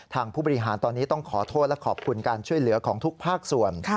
ผู้บริหารตอนนี้ต้องขอโทษและขอบคุณการช่วยเหลือของทุกภาคส่วน